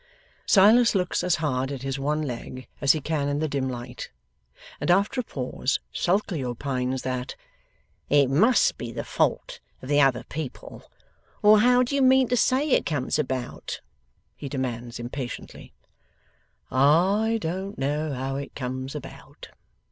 Silas looks as hard at his one leg as he can in the dim light, and after a pause sulkily opines 'that it must be the fault of the other people. Or how do you mean to say it comes about?' he demands impatiently. 'I don't know how it comes about.